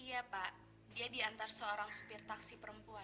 iya pak dia diantar seorang supir taksi perempuan